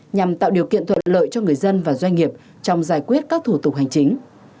nhằm tạo điều kiện thuận lợi cho người dân và doanh nghiệp trong giải quyết các thủ tục hành chính